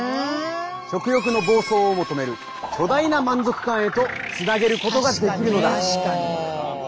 食欲の暴走をも止める巨大な満足感へとつなげることができるのだ。